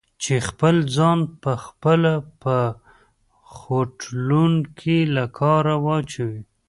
چې خپل ځان په خپله په خوټلون کې له کاره واچوي؟